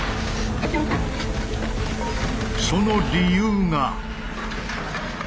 その理由が。